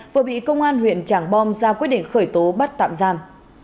vừa bị công an huyện trảng bom ra quyết định khởi tố bắt tạm giam